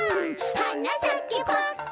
「はなさけパッカン」